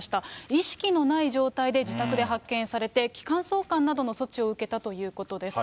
意識のない状態で自宅で発見されて、気管挿管などの措置を受けたということです。